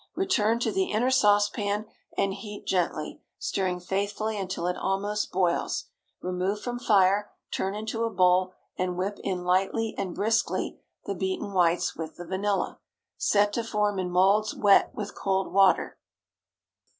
Return to the inner saucepan and heat gently, stirring faithfully until it almost boils. Remove from fire, turn into a bowl, and whip in lightly and briskly the beaten whites with the vanilla. Set to form in moulds wet with cold water.